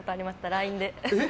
ＬＩＮＥで。